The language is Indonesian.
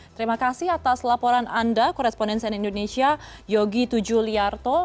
terima kasih atas laporan anda korespondensian indonesia yogi tujuliarto